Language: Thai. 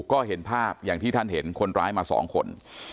ก็เห็นภาพอย่างที่ท่านเห็นคนร้ายมา๒คน